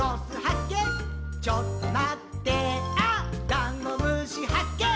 ダンゴムシはっけん